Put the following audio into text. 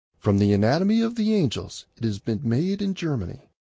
"From the anatomy of the angels, it has been made in Germany."